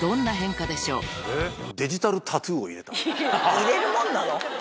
入れるもんなの？